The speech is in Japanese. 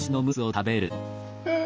うん。